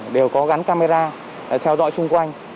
đều có gắn camera theo dõi xung quanh